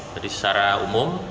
jadi secara umum